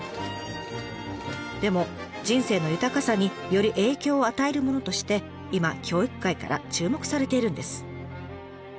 でも人生の豊かさにより影響を与えるものとして今教育界から注目されているんです。